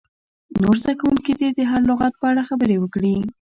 نور زده کوونکي دې د هر لغت په اړه خبرې وکړي.